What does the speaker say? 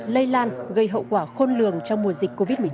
lây lan gây hậu quả khôn lường trong mùa dịch covid một mươi chín